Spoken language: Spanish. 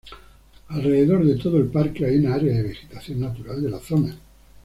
Alrededor de todo el parque hay un área de vegetación natural de la zona.